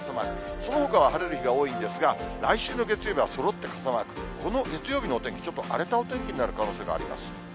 そのほかは晴れる日が多いんですが、来週の月曜日はそろって傘マーク、この月曜日のお天気、ちょっと荒れたお天気になる可能性があります。